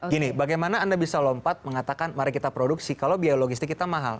gini bagaimana anda bisa lompat mengatakan mari kita produksi kalau biaya logistik kita mahal